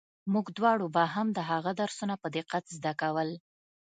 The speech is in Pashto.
موږ دواړو به هم د هغه درسونه په دقت زده کول.